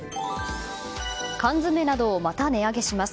缶詰などをまた値上げします。